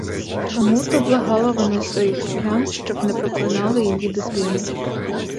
Тому-то благала вона своїх селян, щоб не проклинали її дитини.